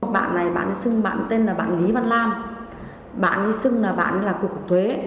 bạn này bạn tên là bạn lý văn lam bạn đi sưng là bạn là cục thuế